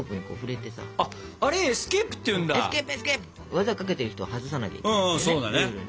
技かけてる人は外さなきゃいけないというねルールで。